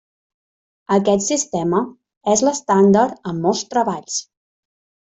Aquest sistema és l'estàndard en molts treballs.